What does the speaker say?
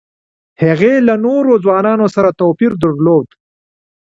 هغې له نورو ځوانانو سره توپیر درلود